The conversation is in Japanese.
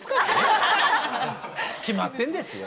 決まってんですよ。